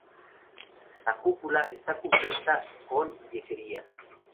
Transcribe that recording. La cúpula está cubierta con yeserías.